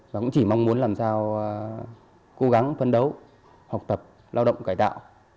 và cũng chỉ mong muốn làm sao cố gắng phân đấu học tập lao động cải tạo